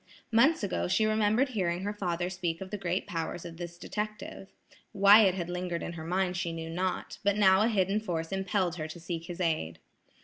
Months ago she remembered hearing her father speak of the great powers of this detective. Why it had lingered in her mind she knew not, but now a hidden force impelled her to seek his aid.